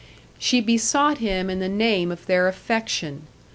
She besought him in the name of their affection.